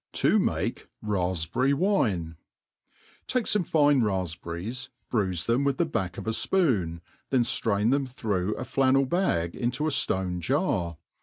* 7*0 make Rafpberry Wtrie, TAI^E fortie fine rafpberries, bruife them v^itH the back of i fpoon, then ftrain them through a flannel bag into a ftone ' jar.